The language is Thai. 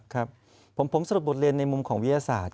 ครับผมสรุปบทเรียนในมุมของวิทยาศาสตร์